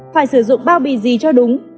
phải sử dụng bao bì gì cho đúng